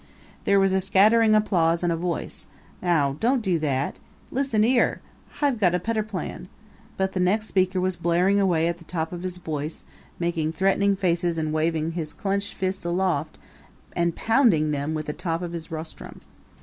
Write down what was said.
There was scattering applause and a voice: "Ow, don't do that! Listen, 'ere! Hi've got a better plan." But the next speaker was blaring away at the top of his voice, making threatening faces and waving his clenched fists aloft and pounding with them on the top of his rostrum.